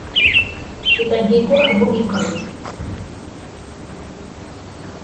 C'est un gecko arboricole.